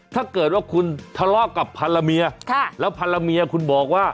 ถ้าเกิดว่าคุณทะเลาะกับพันรเมียแล้วพันรเมียคุณบอกว่า